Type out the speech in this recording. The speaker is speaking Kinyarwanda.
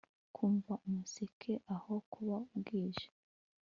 Kumva umuseke aho kuba bwije